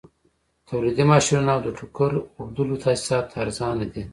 تولیدي ماشینونه او د ټوکر اوبدلو تاسیسات ارزانه دي